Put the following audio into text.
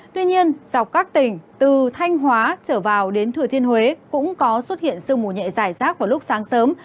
tuy nhiên dọc các tỉnh từ thanh hóa trở vào đến thừa thiên huế cũng có xuất hiện sương mù nhẹ dài rác vào lúc sáng sớm